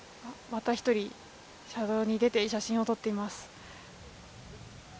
また１人、車道に出て写真を撮っています。